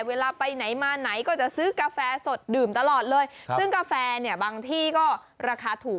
เวลาไปไหนมาไหนก็จะซื้อกาแฟสดดื่มตลอดเลยซึ่งกาแฟเนี่ยบางที่ก็ราคาถูก